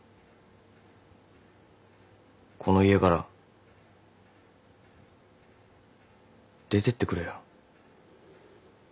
この家から出てってくれよ。